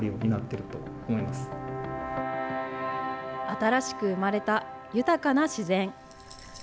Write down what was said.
新しく生まれた豊かな自然。